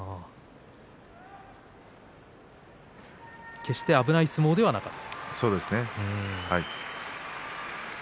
決して危ない相撲ではなかった。